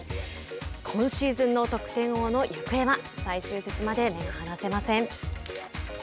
今シーズンの得点王の行方は最終節まで目が離せません。